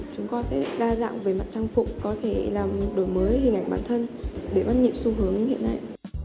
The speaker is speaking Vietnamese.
chúng tôi sẽ đa dạng về mặt trang phục có thể làm đổi mới hình ảnh bản thân để bắt nhịp xu hướng hiện nay